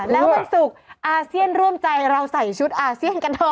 แล้ววันศุกร์อาเซียนร่วมใจเราใส่ชุดอาเซียนกันเถ